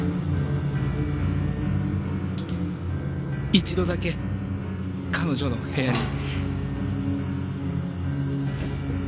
一度だけ彼女の部屋に。